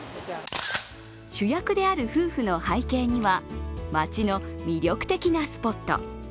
主役である夫婦の背景には町の魅力的なスポット。